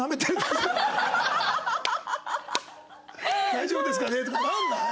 「大丈夫ですかね？」とかならない？